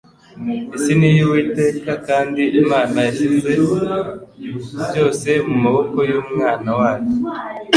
Isi ni iy'Uwiteka, kandi Imana yashyize byose mu maboko y'Umwana wayo.